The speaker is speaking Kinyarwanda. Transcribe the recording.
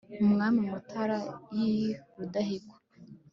umwami mutara iii rudahigwa